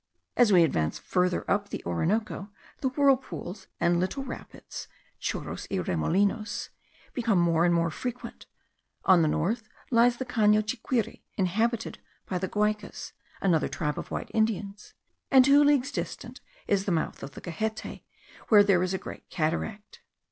As we advance further up the Orinoco, the whirlpools and little rapids (chorros y remolinos) become more and more frequent; on the north lies the Cano Chiquire, inhabited by the Guaicas, another tribe of white Indians; and two leagues distant is the mouth of the Gehette, where there is a great cataract.